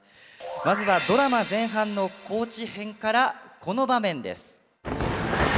まずはドラマ前半の高知編からこの場面です。